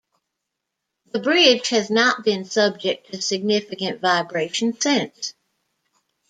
The bridge has not been subject to significant vibration since.